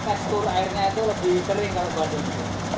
karena tekstur airnya itu lebih kering kalau di bandung